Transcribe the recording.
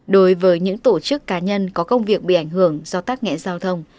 đối với những tổ chức cá nhân có công việc bị ảnh hưởng do tắc nghẹn giao thông